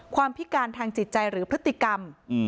พิการทางจิตใจหรือพฤติกรรม